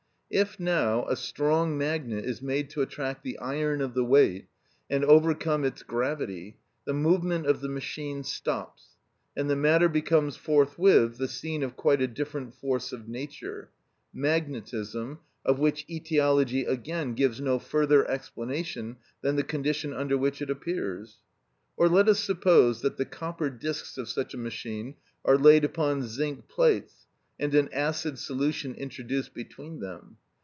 If, now, a strong magnet is made to attract the iron of the weight, and overcome its gravity, the movement of the machine stops, and the matter becomes forthwith the scene of quite a different force of nature—magnetism, of which etiology again gives no further explanation than the condition under which it appears. Or let us suppose that the copper discs of such a machine are laid upon zinc plates, and an acid solution introduced between them.